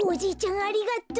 あありがとう！